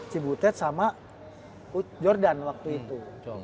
si butet sama jordan waktu itu